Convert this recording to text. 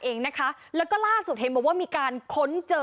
เองนะคะแล้วก็ล่าสุดเห็นบอกว่ามีการค้นเจอ